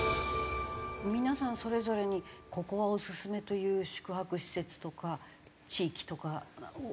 皆さんそれぞれにここはオススメという宿泊施設とか地域とかおありですか？